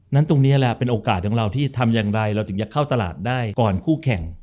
ตรงนี้แหละเป็นโอกาสของเราที่ทำอย่างไรเราถึงจะเข้าตลาดได้ก่อนคู่แข่ง